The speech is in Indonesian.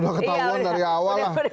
udah ketahuan dari awal